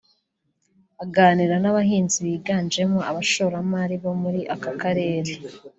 Aganira n’abahinzi biganjemo abashoramari bo muri aka Karere